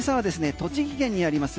栃木県にあります